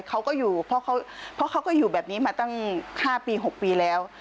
เขาก็อยู่เพราะเขาก็อยู่แบบนี้มาตั้ง๕ปี๖ปีแล้ว